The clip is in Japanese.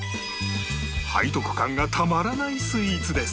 背徳感がたまらないスイーツです